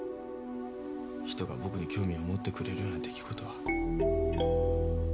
人が僕に興味を持ってくれるような出来事は。